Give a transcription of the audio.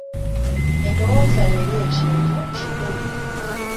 Endowooza yo eri ekintu kikulu.